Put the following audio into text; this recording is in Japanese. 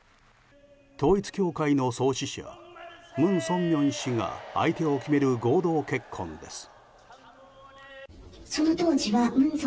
統一教会の創始者、文鮮明氏が相手を決める合同結婚です。